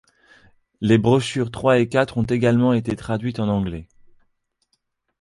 Les brochures trois et quatre ont également été traduites en anglais.